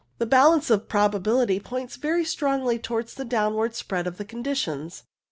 The balance of probability points very strongly towards the downward spread of the conditions.